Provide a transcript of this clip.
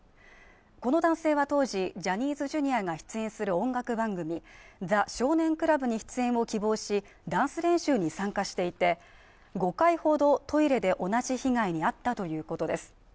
この男性は当時ジャニーズＪｒ．が出演する音楽番組「ザ少年倶楽部」に出演を希望しダンス練習に参加していて５回ほどトイレで同じ被害に遭ったということです